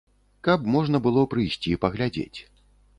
Каб можна было прыйсці паглядзець.